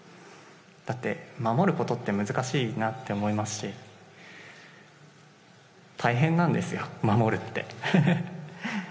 だって、守ることって難しいなって思いますし、大変なんですよ、守るって。